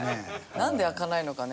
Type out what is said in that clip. なんで開かないのかね